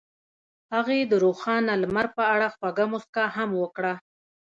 هغې د روښانه لمر په اړه خوږه موسکا هم وکړه.